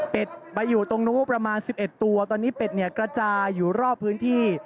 ไปอยู่ตรงนู้นประมาณ๑๑ตัวตอนนี้เป็ดเนี่ยกระจายอยู่รอบพื้นที่